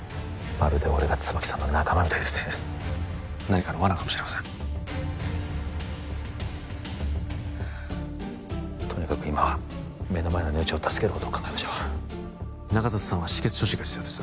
まるで俺が椿さんの仲間みたいですね何かの罠かもしれませんとにかく今は目の前の命を助けることを考えましょう中里さんは止血処置が必要です